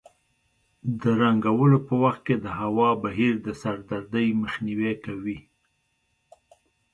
د رنګولو په وخت کې د هوا بهیر د سردردۍ مخنیوی کوي.